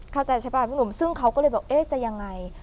เข้าใจใช่ป่ะพี่หนุ่มซึ่งเขาก็เลยบอกเอ๊ะจะยังไง